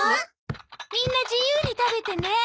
みんな自由に食べてね。